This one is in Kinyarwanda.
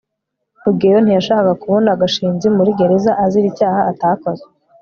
rugeyo ntiyashakaga kubona gashinzi muri gereza azira icyaha atakoze